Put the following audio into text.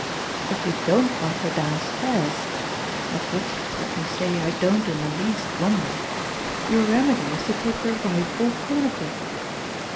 If you don't want her downstairs at which, let me say, I don't in the least wonder your remedy is to take the right alternative.